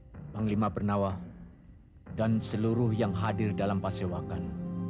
panglima pernawa dan seluruh yang hadir dalam pasewakan